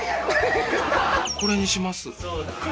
これにします。